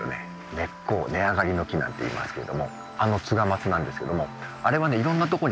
根っこを根上がりの木なんていいますけれどもあの松なんですけどもあれはねいろんなとこに種を落とします。